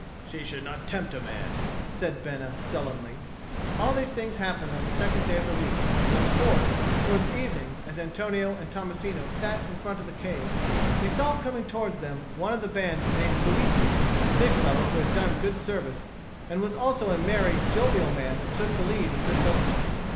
"She should not tempt a man," said Bena sullenly. All these things happened on the second day of the week; and on the fourth, towards evening, as Antonio and Tommasino sat in front of the cave, they saw coming towards them one of the band named Luigi, a big fellow who had done good service and was also a merry jovial man that took the lead in good fellowship.